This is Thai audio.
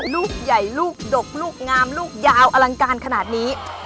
ลูกใหญ่ลูกดกลูกงามลูกยาวอลังการขนาดนี้